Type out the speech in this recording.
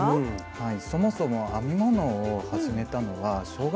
はい。